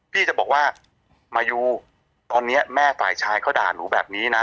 พี่จะบอกว่ามายูตอนนี้แม่ฝ่ายชายเขาด่าหนูแบบนี้นะ